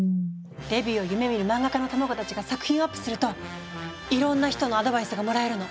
デビューを夢みるマンガ家の卵たちが作品をアップするといろんな人のアドバイスがもらえるの！